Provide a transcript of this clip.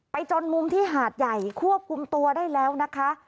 จนมุมที่หาดใหญ่ควบคุมตัวได้แล้วนะคะ